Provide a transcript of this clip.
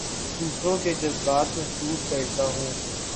دوسروں کے جذبات محسوس کرتا ہوں